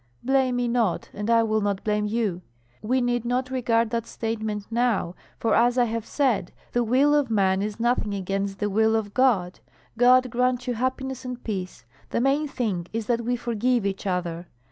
Blame me not, and I will not blame you. We need not regard that testament now, for as I have said, the will of man is nothing against the will of God. God grant you happiness and peace. The main thing is that we forgive each other.